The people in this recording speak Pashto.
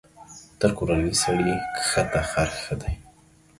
تر کورني سړي کښته خر ښه دى.